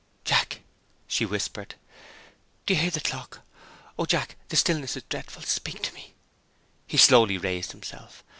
"Jack!" she whispered. "Do you hear the clock? Oh, Jack, the stillness is dreadful speak to me." He slowly raised himself.